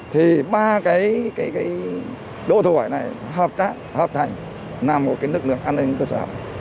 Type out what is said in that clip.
thì ba cái đội thủy này hợp tác hợp thành là một lực lượng an ninh cơ sở